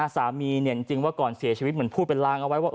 จริงว่าก่อนเสียชีวิตเหมือนพูดเป็นลางเอาไว้ว่า